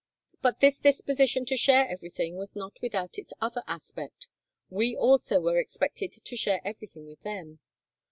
But this disposition to share everything was not without its other aspect; we also were expected to share everything with them.